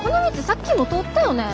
さっきも通ったよね？